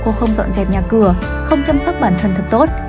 cô không dọn dẹp nhà cửa không chăm sóc bản thân thật tốt